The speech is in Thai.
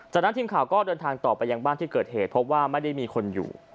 จากนั้นทีมข่าวก็เดินทางต่อไปยังบ้านที่เกิดเหตุพบว่าไม่ได้มีคนอยู่